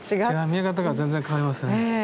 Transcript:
見え方が全然変わりますね。